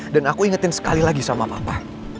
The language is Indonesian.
dan aku ingetin sekali lagi sama papa